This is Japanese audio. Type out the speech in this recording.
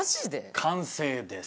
完成です。